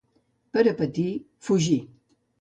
Per a patir, fugir.